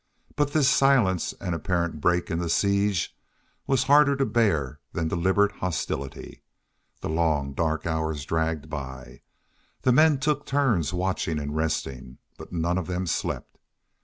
But this silence and apparent break in the siege were harder to bear than deliberate hostility. The long, dark hours dragged by. The men took turns watching and resting, but none of them slept.